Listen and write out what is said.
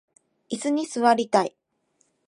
いすに座りたい